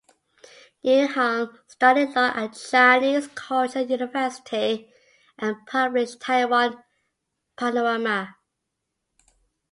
You Hung studied law at Chinese Culture University and published "Taiwan Panorama".